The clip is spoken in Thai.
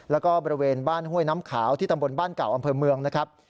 แล้วก็บริเวณบ้านห้วยน้ำขาวที่ตำบลบ้านเก่าอำเภอเมืองนะครับ